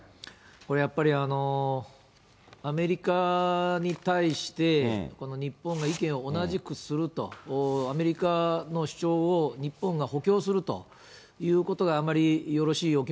これやっぱり、アメリカに対して、この日本が意見を同じくすると、アメリカの主張を日本が補強するということがあまりよろしいお気